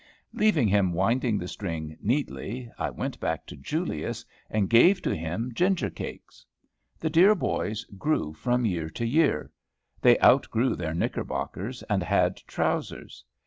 Leaving him winding the string neatly, I went back to Julius, and gave to him ginger cakes. The dear boys grew from year to year. They outgrew their knickerbockers, and had trousers.